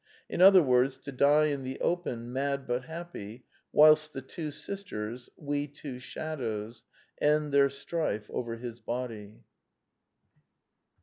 In other words, to die in the open, mad but happy, whilst the two sisters, "we two shadows," end their strife over his body.